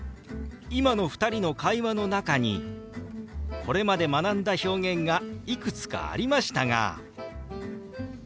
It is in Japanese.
今の２人の会話の中にこれまで学んだ表現がいくつかありましたが分かりました？